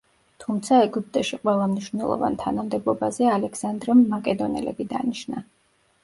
თუმცა ეგვიპტეში ყველა მნიშვნელოვან თანამდებობაზე ალექსანდრემ მაკედონელები დანიშნა.